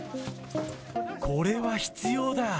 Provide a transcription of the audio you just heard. これは必要だ。